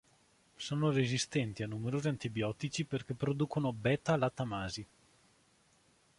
Sono resistenti a numerosi antibiotici perché producono beta-lattamasi.